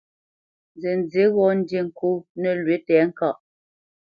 Nzənzí ghɔ́ ndí ŋkô nəlwʉ̌ tɛ̌ŋkaʼ.